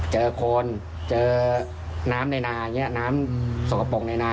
เจอโคนเจอน้ำในนาน้ำสกปรกในนา